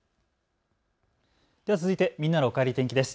では続いてみんなのおかえり天気です。